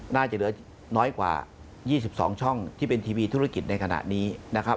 น่าจะเหลือน้อยกว่า๒๒ช่องที่เป็นทีวีธุรกิจในขณะนี้นะครับ